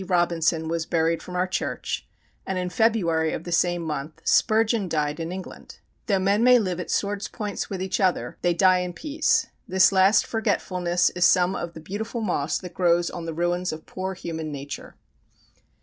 Robinson was buried from our church, and in February of the same month Spurgeon died in England. Though men may live at swords' points with each other they die in peace. This last forgetfulness is some of the beautiful moss that grows on the ruins of poor human nature.